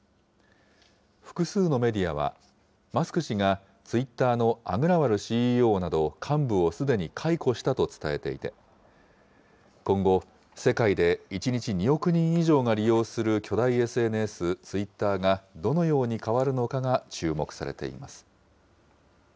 複数のメディアは、マスク氏がツイッターのアグラワルＣＥＯなど、幹部をすでに解雇したと伝えていて、今後、世界で１日２億人以上が利用する巨大ＳＮＳ、ツイッターがどのように変わるのかが注目されています。